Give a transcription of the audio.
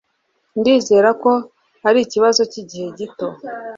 Ndizera ko ari ikibazo cyigihe gito